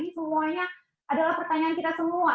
semuanya adalah pertanyaan kita semua